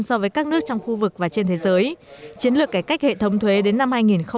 so với các nước trong khu vực và trên thế giới chiến lược cải cách hệ thống thuế đến năm hai nghìn hai mươi